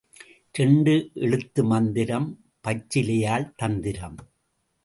இரண்டு எழுத்து மந்திரம், பச்சிலையால் தந்திரம்.